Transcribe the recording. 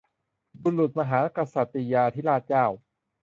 บุรพมหากษัตริยาธิราชเจ้า